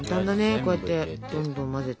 こうやってどんどん混ぜて。